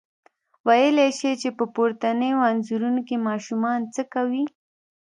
ویلای شئ چې په پورتنیو انځورونو کې ماشومان څه کوي؟